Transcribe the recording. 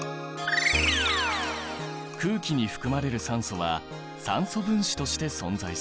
空気に含まれる酸素は酸素分子として存在する。